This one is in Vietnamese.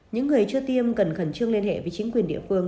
những người chưa tiêm cần khẩn trương liên hệ với chính quyền địa phương